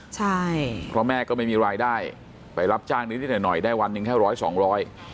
ใช่เพราะแม่ก็ไม่มีรายได้ไปรับจ้างนิดหน่อยหน่อยได้วันหนึ่งแค่ร้อยสองร้อย